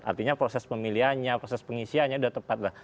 artinya proses pemilihannya proses pengisiannya sudah tepat lah